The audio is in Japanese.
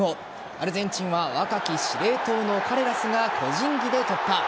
アルゼンチンは若き司令塔のカレラスが個人技で突破。